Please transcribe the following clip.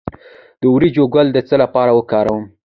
د وریجو ګل د څه لپاره وکاروم؟